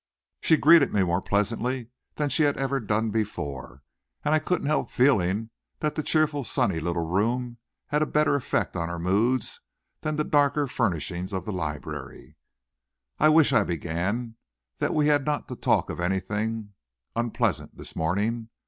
She greeted me more pleasantly than she had ever done before, and I couldn't help feeling that the cheerful sunny little room had a better effect on her moods than the darker furnishings of the library. "I wish," I began, "that we had not to talk of anything unpleasant this morning.